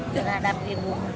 dengan agar ibu